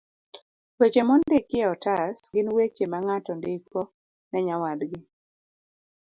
Weche mondiki e otas gin weche ma ng'ato ndiko ne nyawadgi